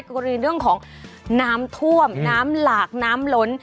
กรณีเรื่องของน้ำท่วมน้ำหลากน้ำล้น